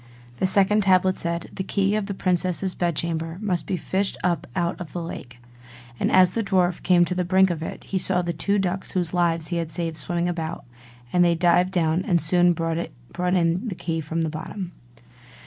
The second tablet said: 'The key of the princess's bed chamber must be fished up out of the lake.' And as the dwarf came to the brink of it, he saw the two ducks whose lives he had saved swimming about; and they dived down and soon brought in the key from the bottom.